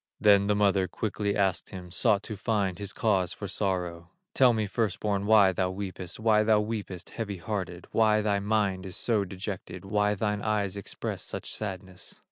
Then the mother quickly asked him, Sought to find his cause for sorrow: "Tell me, first born, why thou weepest, Why thou weepest, heavy hearted, Why thy mind is so dejected, Why thine eyes express such sadness."